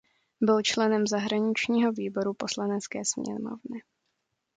Byl členem zahraničního výboru Poslanecké sněmovny.